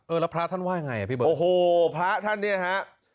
แล้วพระท่านว่าไงอ่ะพี่เบิร์โอ้โหพระท่านเนี่ยฮะ